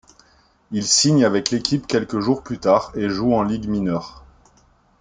Il signe avec l'équipe quelques jours plus tard et joue en ligues mineures.